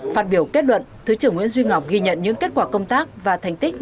phát biểu kết luận thứ trưởng nguyễn duy ngọc ghi nhận những kết quả công tác và thành tích